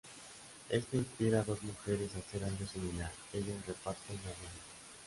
Esto inspira a dos mujeres a hacer algo similar, ellas reparten abrigos.